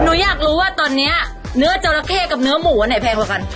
หนูอยากรู้ว่าตอนนี้เนื้อจราเข้กับเนื้อหมูอันไหนแพงกว่ากัน